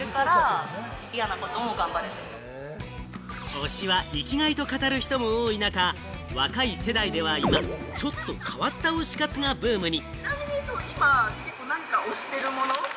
推しは生きがいと語る人も多い中、若い世代では今、ちょっと変わった推し活がブームに。